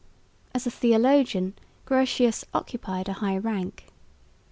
As a theologian Grotius occupied a high rank.